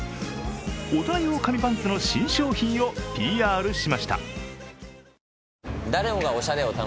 大人用紙パンツの新商品をＰＲしました。